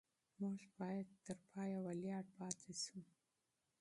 موږ باید تر پایه ولاړ پاتې شو.